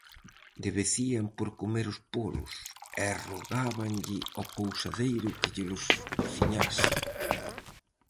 Devecían por comer os polos, e rogábanlle ao pousadeiro que llelos cociñase.